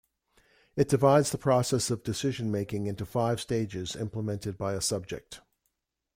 It divides the process of decision making into five stages implemented by a subject.